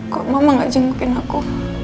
kok mama gak jengukin aku